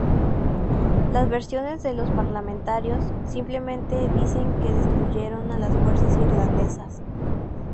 Las versiones de los "Parlamentarios" simplemente dicen que destruyeron a las fuerzas irlandesas.